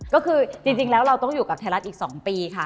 ก็คือจริงแล้วเราต้องอยู่กับไทยรัฐอีก๒ปีค่ะ